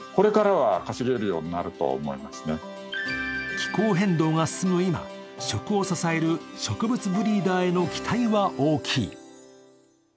気候変動が進む今、食を支える植物ブリーダーへの期待は大きい。